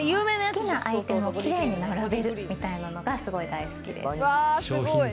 好きなアイテムをキレイに並べるみたいなのがすごい大好きです。